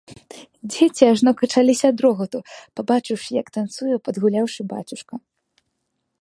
Дзеці ажно качаліся ад рогату, пабачыўшы, як танцуе падгуляўшы бацюшка.